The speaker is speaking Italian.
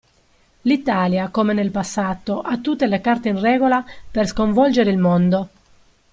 L'Italia come nel passato ha tutte le carte in regola per sconvolgere il mondo.